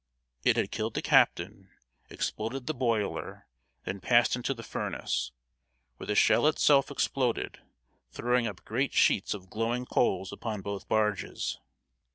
It had killed the captain, exploded the boiler, then passed into the furnace, where the shell itself exploded, throwing up great sheets of glowing coals upon both barges.